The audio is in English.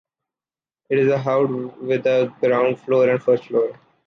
It is a house with a ground floor and first floor.